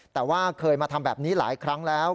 แต่ว่าเคยมาทำแบบนี้หลายครั้งแล้ว